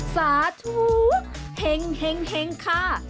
สาธุเห็งค่ะ